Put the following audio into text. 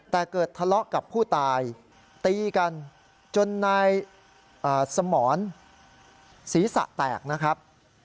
แต่เกิดทะเลาะกับผู้ตายตีกันจนนายสมรศีรษะแตกนะครับ